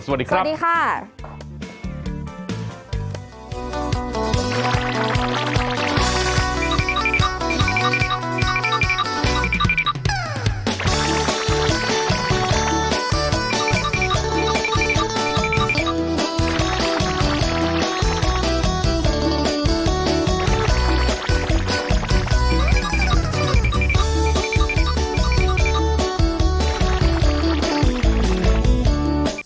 สวัสดีครับสวัสดีค่ะสวัสดีค่ะ